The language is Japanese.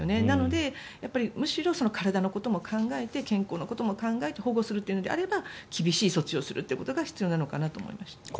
なので、むしろ体のことも考えて健康のことも考えて保護するというのであれば厳しい措置をすることが必要なのかなと思いました。